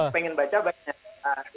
pengen baca banyak